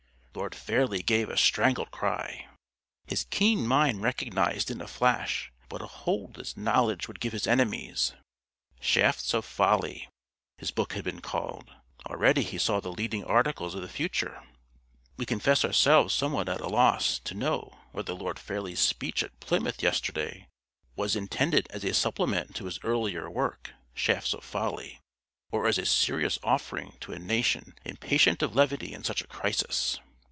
_" Lord Fairlie gave a strangled cry. His keen mind recognised in a flash what a hold this knowledge would give his enemies. Shafts of Folly, his book had been called. Already he saw the leading articles of the future: "We confess ourselves somewhat at a loss to know whether Lord Fairlie's speech at Plymouth yesterday was intended as a supplement to his earlier work, Shafts of Folly, or as a serious offering to a nation impatient of levity in such a crisis...."